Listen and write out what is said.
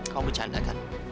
kamu bercanda kan